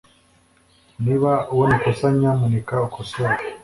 Niba ubona ikosa nyamuneka ukosore